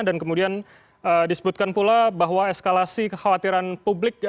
dan kemudian disebutkan pula bahwa eskalasi kekhawatiran publik